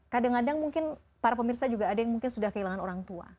kadang kadang mungkin para pemirsa juga ada yang mungkin sudah kehilangan orang tua